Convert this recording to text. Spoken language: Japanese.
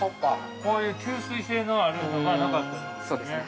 こういう吸水性のあるのがなかったということですよね。